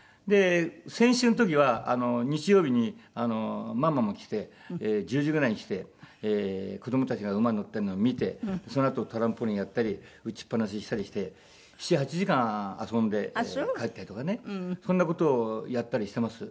先週の時は日曜日にママも来て１０時ぐらいに来て子どもたちが馬に乗ってるのを見てそのあとトランポリンやったり打ちっぱなししたりして７８時間遊んで帰ったりとかねそんな事をやったりしてます。